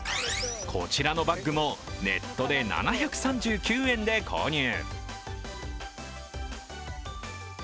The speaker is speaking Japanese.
こちらのバッグもネットで７３９円で購入。